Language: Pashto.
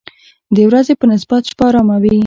د ورځې په نسبت شپه آرامه وي.